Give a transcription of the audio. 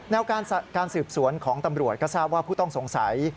การสืบสวนของตำรวจก็ทราบว่าผู้ต้องสงสัย